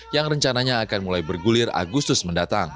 yang rencananya akan mulai bergulir agustus mendatang